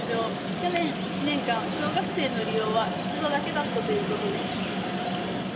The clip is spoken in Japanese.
去年１年間、小学生の利用は一度だけだったということです。